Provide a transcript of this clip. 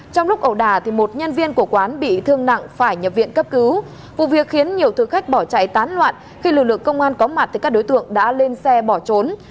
trong lúc ẩu đà một nhân viên của quán bị thương nặng phải nhập viện cấp cứu vụ việc khiến nhiều thực khách bỏ chạy tán loạn khi lực lượng công an có mặt thì các đối tượng đã lên xe bỏ trốn